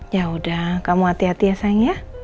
yaudah kamu hati hati ya sayang ya